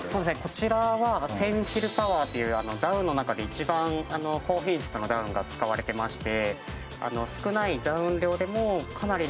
こちらは１０００フィルパワーといってダウンの中でも一番高品質なダウンが使われていまして。